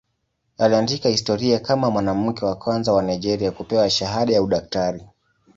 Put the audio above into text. Aliandika historia kama mwanamke wa kwanza wa Nigeria kupewa shahada ya udaktari.